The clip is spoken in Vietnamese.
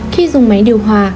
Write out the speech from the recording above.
khi dùng máy điều hòa